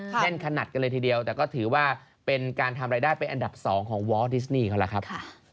แน่นขนาดกันเลยทีเดียวแต่ก็ถือว่าเป็นการทำรายได้เป็นอันดับ๒ของวอลดิสนี่เขาล่ะครับ